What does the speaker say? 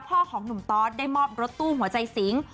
ของหนุ่มตอสได้มอบรถตู้หัวใจสิง